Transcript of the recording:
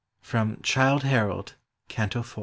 FROM " CHILDE HAROLD," CANTO IV.